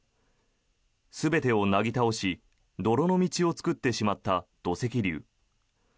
全てをなぎ倒し泥の道を作ってしまった土石流。